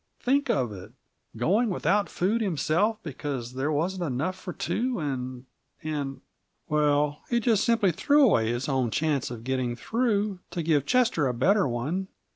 Think of it! Going without food himself, because there wasn't enough for two, and and well, he just simply threw away his own chance of getting through, to give Chester a better one.